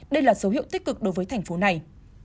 đây là dấu hiệu tích cực đối với thành phố này